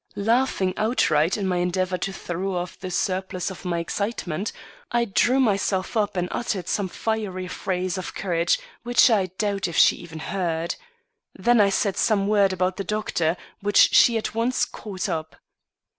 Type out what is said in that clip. Laughing outright in my endeavor to throw off the surplus of my excitement, I drew myself up and uttered some fiery phrase of courage, which I doubt if she even heard. Then I said some word about the doctor, which she at once caught up.